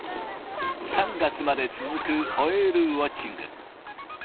３月まで続くホエールウォッチング。